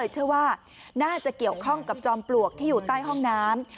เชื่อว่าน่าจะเกี่ยวข้องกับจอมปลวกที่อยู่ใต้ห้องน้ำ